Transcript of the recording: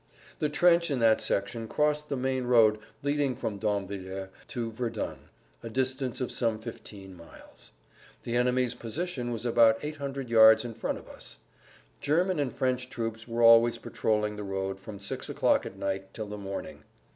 The trench in that section crossed the main road leading from Damvillers to Verdun (a distance of some fifteen miles). The enemy's position was about 800 yards in front of us. German and French troops were always patroling the road from six o'clock at night till the morning.